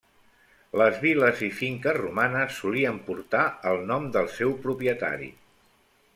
Les vil·les i finques romanes solien portar el nom del seu propietari.